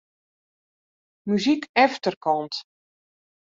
Muzyk efterkant.